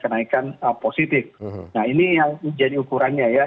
nah ini yang menjadi ukurannya ya